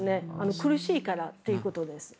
苦しいからということです。